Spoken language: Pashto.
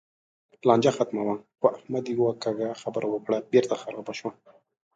لانجه ختمه وه؛ خو احمد یوه کږه خبره وکړه، بېرته خرابه شوه.